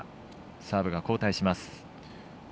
サーブが交代します。